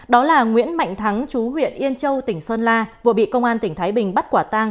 đó là nguyễn mạnh thắng chú huyện yên châu tỉnh sơn la vừa bị công an tỉnh thái bình bắt quả tang